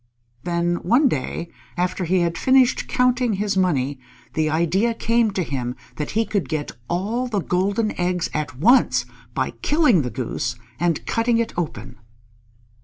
Then one day, after he had finished counting his money, the idea came to him that he could get all the golden eggs at once by killing the Goose and cutting it open.